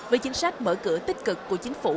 với chính sách mở cửa tích cực của chính phủ